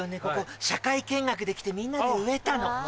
ここ社会見学で来てみんなで埋めたの。